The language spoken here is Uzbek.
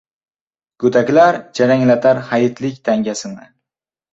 Go‘daklar jaranglatar hayitlik tangasini